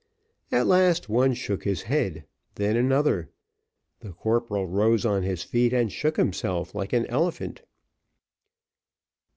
At last one shook his head then another. The corporal rose on his feet and shook himself like an elephant.